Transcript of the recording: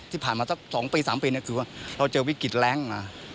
ที่ผ่านมาสัก๒ปี๓ปีคือว่าเราเจอวิกฤตแรงนะ